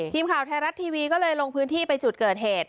ทีมข่าวไทยรัฐทีวีก็เลยลงพื้นที่ไปจุดเกิดเหตุ